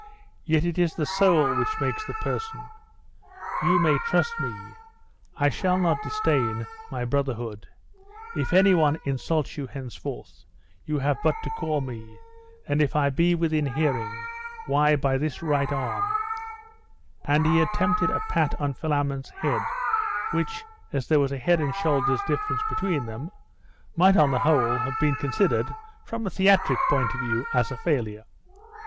yet it is the soul which makes the person. You may trust me, I shall not disdain my brotherhood. If any one insults you henceforth, you have but to call me; and if I be within hearing, why, by this right arm ' And he attempted a pat on Philammon's head, which, as there was a head and shoulder's difference between them, might on the whole have been considered, from a theatric point of view, as a failure.